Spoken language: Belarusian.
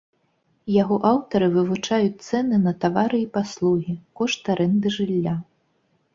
Яго аўтары вывучаюць цэны на тавары і паслугі, кошт арэнды жылля.